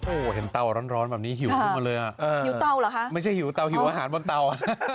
โอ้เห็นเต้าร้อนแบบนี้หิวมาเลยหิวเต้าหรอคะไม่ใช่หิวเต้าหิวอาหารบนเต้า